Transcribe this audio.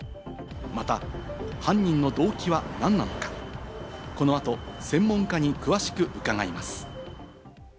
また、犯人の動機は何なのか、この後、専門家に詳しく伺います。